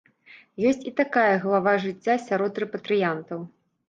Ёсць і такая глава жыцця сярод рэпатрыянтаў.